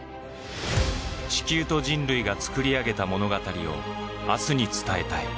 地球と人類が作り上げた物語を明日に伝えたい。